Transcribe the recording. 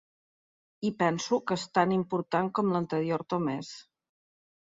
I penso que és tan important com l’anterior o més.